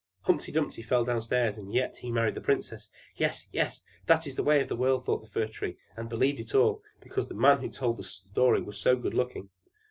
"Humpy Dumpy fell downstairs, and yet he married the princess! Yes, yes! That's the way of the world!" thought the Fir Tree, and believed it all, because the man who told the story was so good looking.